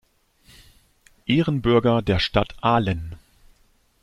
Ehrenbürger der Stadt Ahlen.